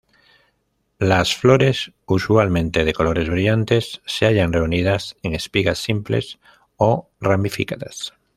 Las flores, usualmente de colores brillantes, se hallan reunidas en espigas simples o ramificadas.